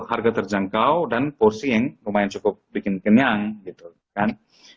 harga terjangkau dan porsi yang lumayan cukup bikin kenyang gitu kan